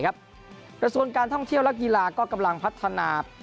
และส่วนการท่องเที่ยวก็กำลังพัฒนาแพลตฟอร์ม